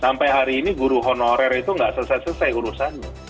sampai hari ini guru honorer itu nggak selesai selesai urusannya